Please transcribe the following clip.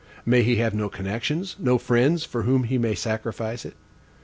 May he have no connections, no friends, for whom he may sacrifice it?